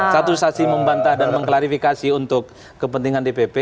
satu saksi membantah dan mengklarifikasi untuk kepentingan dpp